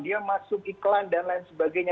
dia masuk iklan dan lain sebagainya